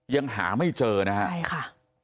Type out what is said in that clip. ยังหาไม่เจอนะฮะ